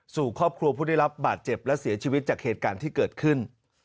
สู่ครอบครัวผู้ได้รับบาดเจ็บและเสียชีวิตจากเหตุการณ์ที่เกิดขึ้น